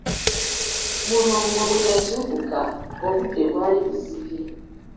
Mulongo bwe yazuukuka, obudde bwali buzibye.